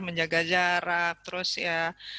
menjaga jarak terus ya